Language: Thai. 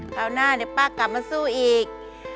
คราวหน้าเดี๋ยวป้ากลับมาสู้อีก